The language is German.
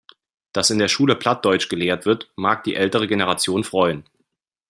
Dass in der Schule Plattdeutsch gelehrt wird, mag die ältere Generation freuen.